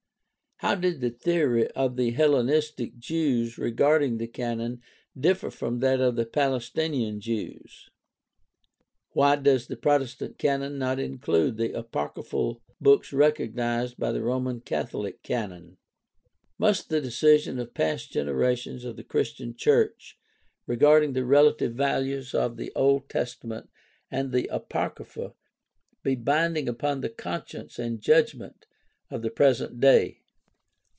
How did the theory of the Hellenistic Jews regarding the Canon differ from that of the Palestinian Jews ? Why does the Protestant Canon not include the apocryphal books recognized by the Roman Catholic Canon? Must the decision of past generations of the Christian church regarding the relative values of the Old Testament and the Apocrypha be binding upon the conscience and judgment of the present day?